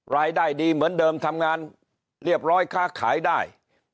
รายได้ดีเหมือนเดิมทำงานเรียบร้อยค้าขายได้